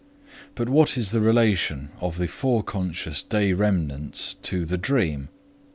But what is the relation of the foreconscious day remnants to the dream?